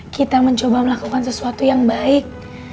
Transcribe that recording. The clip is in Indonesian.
kita mencoba melakukan sesuatu yang baik